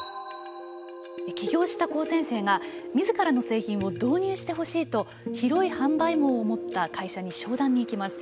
起業した高専生が、みずからの製品を導入してほしいと広い販売網を持った会社に商談に行きます。